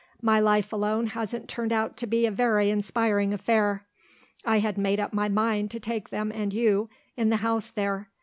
"My life alone hasn't turned out to be a very inspiring affair. I had made up my mind to take them and you, in the house there.